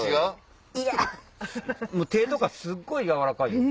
手とかすっごい柔らかいよ。